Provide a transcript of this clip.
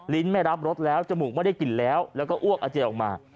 ไม่รับรสแล้วจมูกไม่ได้กลิ่นแล้วแล้วก็อ้วกอาเจียออกมา